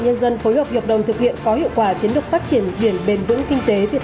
nhân dân phối hợp hiệp đồng thực hiện có hiệu quả chiến lược phát triển biển bền vững kinh tế việt